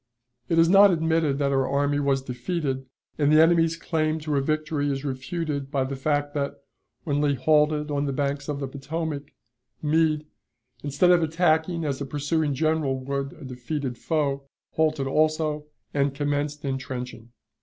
It is not admitted that our army was defeated, and the enemy's claim to a victory is refuted by the fact that, when Lee halted on the banks of the Potomac, Meade, instead of attacking as a pursuing general would a defeated foe, halted also, and commenced intrenching.